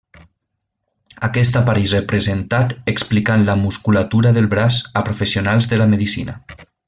Aquest apareix representat explicant la musculatura del braç a professionals de la medicina.